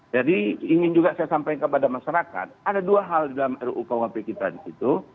jadi ingin juga saya sampaikan kepada masyarakat ada dua hal di dalam ruu kauhapik kita di situ